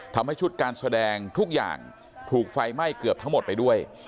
ทำให้ชุดการแสดงทุกอย่างถูกไฟไหม้เกือบทั้งหมดไปด้วย